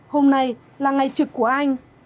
hôm nay là ngày trực của anh